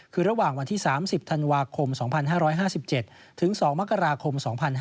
คือระหว่างวันที่๓๐ธันวาคม๒๕๕๗ถึง๒มกราคม๒๕๕๙